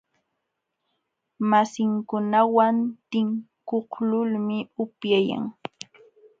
Masinkunawan tinkuqlulmi upyayan.